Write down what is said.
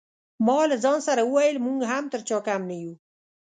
ما له ځان سره وویل موږ هم تر چا کم نه یو.